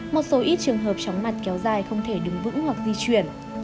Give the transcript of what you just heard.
một số ít trường hợp chóng mặt kéo dài không thể đứng vững hoặc di chuyển